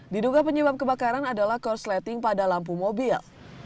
diduga penyebab kebakaran adalah korsleting pada lampu mobil